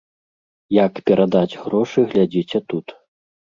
Як перадаць грошы глядзіце тут.